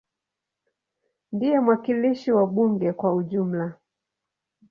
Ndiye mwakilishi wa bunge kwa ujumla.